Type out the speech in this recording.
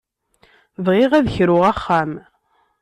Bɣiɣ ad kruɣ axxam.